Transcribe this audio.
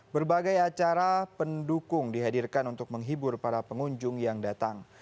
berbagai acara pendukung dihadirkan untuk menghibur para pengunjung yang datang